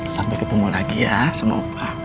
sampai ketemu lagi ya sama opa